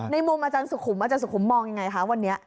มุมอาจารย์สุขุมอาจารย์สุขุมมองยังไงคะวันนี้